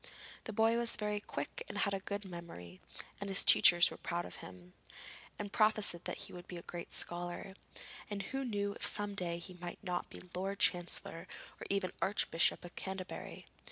The boy was very quick and had a good memory and his teachers were proud of him, and prophesied that he would be a great scholar, and who knew if some day he might not be Lord Chancellor, or even Archbishop of Canterbury?